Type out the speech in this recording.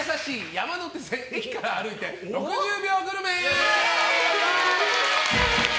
山手線駅から歩いて６０秒グルメ。